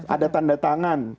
ada tanda tangan